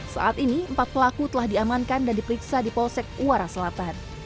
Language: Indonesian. saat ini empat pelaku telah diamankan dan diperiksa di polsek uara selatan